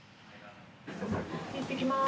いってきます。